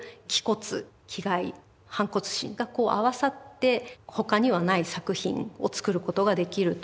気概反骨心がこう合わさって他にはない作品を作ることができるという。